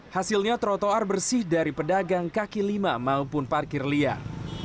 hasilnya trotoar bersih dari pedagang kaki lima maupun parkir liar